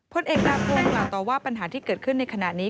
พลเอกดาพงศ์กล่าวต่อว่าปัญหาที่เกิดขึ้นในขณะนี้